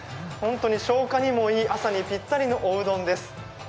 本当に消化にもいい朝にぴったりのおうどんです。